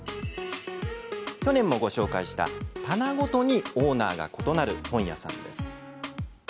去年もご紹介した、棚ごとにオーナーが異なる本屋さんです。